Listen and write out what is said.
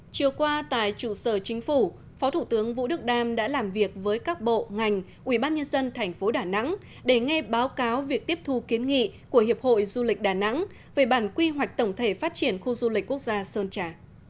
chiều qua tại trụ sở chính phủ phó thủ tướng vũ đức đam đã làm việc với các bộ ngành ủy ban nhân dân thành phố đà nẵng để nghe báo cáo việc tiếp thu kiến nghị của hiệp hội du lịch đà nẵng về bản quy hoạch tổng thể phát triển khu du lịch quốc gia sơn trà